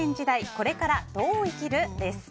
これからどう生きる？です。